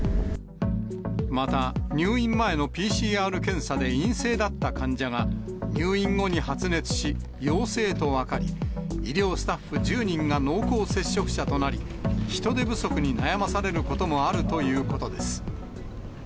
また、入院前のＰＣＲ検査で陰性だった患者が、入院後に発熱し、陽性と分かり、医療スタッフ１０人が濃厚接触者となり、人手不足に悩まされることもあるということです。